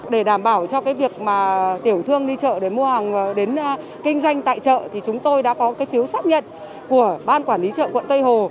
để đảm bảo cho cái việc mà tiểu thương đi chợ để mua hàng đến kinh doanh tại chợ thì chúng tôi đã có cái phiếu xác nhận của ban quản lý chợ quận tây hồ